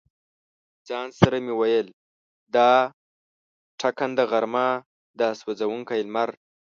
ځان سره مې ویل: دا ټکنده غرمه، دا سوزونکی لمر.